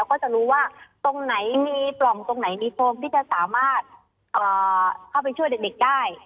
ก็จะรู้ว่าตรงไหนมีปล่องตรงไหนมีโคมที่จะสามารถเข้าไปช่วยเด็กได้